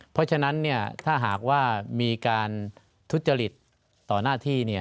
เพราะฉะนั้นถ้าหากว่ามีการทุจริตต่อหน้าที่